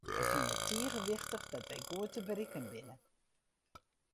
Wy fine it tige wichtich dat wy goed te berikken binne.